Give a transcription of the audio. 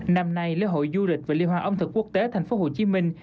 năm nay lễ hội du lịch và liên hoa âm thực quốc tế thành phố hồ chí minh